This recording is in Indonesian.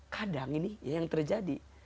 kadang ini yang terjadi